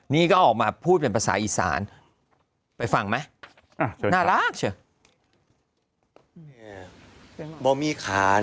นี่ก็ออกมาพูดเป็นภาษาอีสานไปฟังไหมน่ารักเชียว